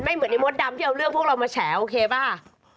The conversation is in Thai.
ไม่เหมือนเดงอะมดดำที่เอาเรื่องพวกเราแฉโอเคเปล่า